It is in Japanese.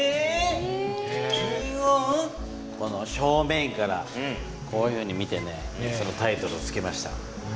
この正面からこういうふうに見てそのタイトルをつけました。